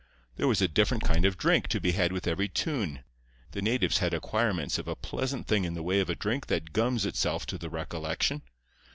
There was a different kind of drink to be had with every tune. The natives had acquirements of a pleasant thing in the way of a drink that gums itself to the recollection.